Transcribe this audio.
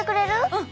うん。